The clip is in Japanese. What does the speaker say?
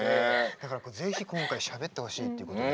だからぜひ今回しゃべってほしいっていうことで。